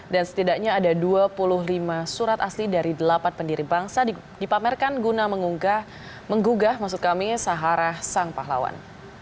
dan setidaknya ada dua puluh lima surat asli dari delapan pendiri bangsa dipamerkan guna menggugah maksud kami sahara sang pahlawan